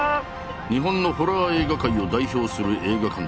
日本のホラー映画界を代表する映画監督